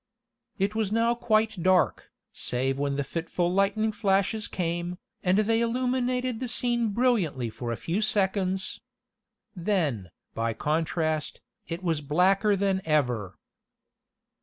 It was now quite dark, save when the fitful lightning flashes came, and they illuminated the scene brilliantly for a few seconds. Then, by contrast, it was blacker than ever.